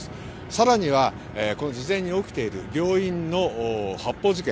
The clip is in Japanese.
更には事前に起きている病院の発砲事件。